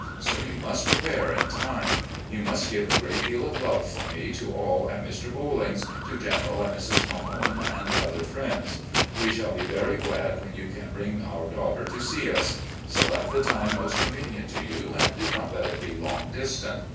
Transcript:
So you must prepare in time. You must give a great deal of love for me to all at Mr. Bolling's, to General and Mrs. Mahone, and other friends. We shall be very glad when you can bring our daughter to see us. Select the time most convenient to you, and do not let it be long distant.